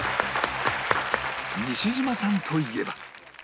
西島さんといえば